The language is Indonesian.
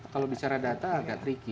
kalau bicara data agak tricky